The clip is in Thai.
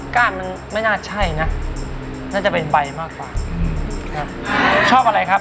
ก้านมันไม่น่าใช่นะน่าจะเป็นใบมากกว่าครับชอบอะไรครับ